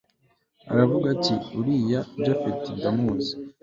aravuga ati uriya japhet ndamuzi